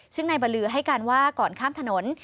ซึ่งนายบัลลือให้การว่าก่อนข้ามถนน